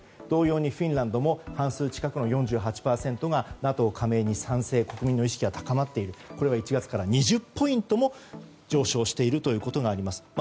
同様にフィンランドも半数近くの４８％がＮＡＴＯ加盟に賛成国民の意識は高まっているこれが１月から２０ポイントも上昇しているということがあります。